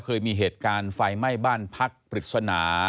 เคยมีเหตุการณ์ไฟไหม้บ้านพักปริศนา